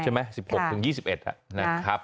ใช่ไหม๑๖ถึง๒๑นะครับ